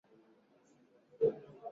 Vyakula vyetu vimeiva